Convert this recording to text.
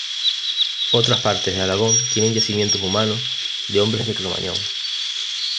Otras partes de Aragón tienen yacimientos humanos de Hombres de Cromañón.